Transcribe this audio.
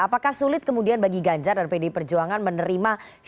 apakah sulit kemudian bagi ganjar dan pdi perjuangan menerima syarat yang diajukan